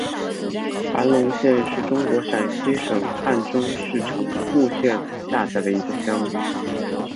盘龙乡是中国陕西省汉中市城固县下辖的一个乡。